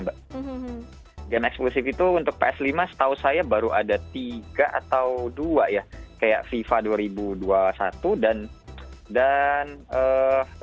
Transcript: game eksklusif itu untuk ps lima setahu saya baru ada tiga atau dua ya kayak fifa dua ribu dua puluh satu dan